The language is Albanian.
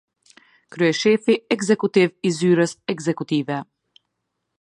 Kryeshefi Ekzekutiv i Zyrës Ekzekutive.